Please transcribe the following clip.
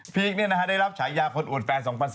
ได้รับฉายาคนอวดแฟน๒๐๑๘